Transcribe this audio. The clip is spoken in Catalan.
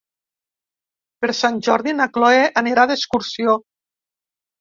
Per Sant Jordi na Cloè anirà d'excursió.